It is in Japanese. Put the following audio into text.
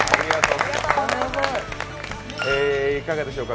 いかがでしょうか？